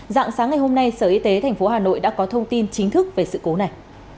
dạng sáng ngày hôm nay sở y tế tp hà nội đã có thông tin chính thức về sự cố này